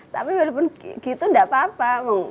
tapi walaupun gitu nggak apa apa